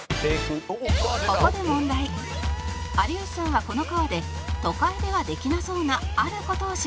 「ここで問題」「有吉さんはこの川で都会ではできなそうなある事をします」